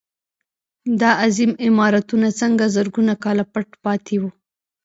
دا عظیم عمارتونه څنګه زرګونه کاله پټ پاتې وو.